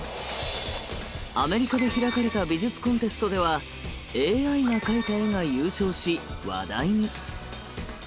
アメリカで開かれた美術コンテストではＡＩが描いた絵が優勝し話題に。